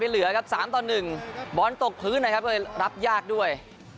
อัดเข้าไปเป็นเหลือครับ๓๑บอลตกพื้นนะครับรับยากด้วย